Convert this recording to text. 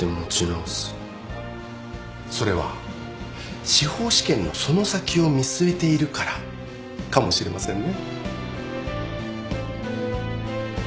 それは司法試験のその先を見据えているからかもしれませんね。